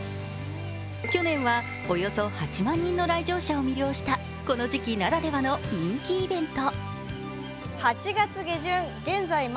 去年はおよそ８万人の来場者を魅了したこの時期ならではの人気イベント。